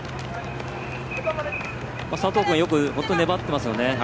佐藤君よく粘っていますよね。